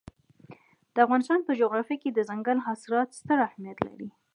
د افغانستان په جغرافیه کې دځنګل حاصلات ستر اهمیت لري.